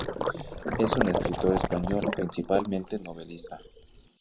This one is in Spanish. Es un escritor español, principalmente novelista.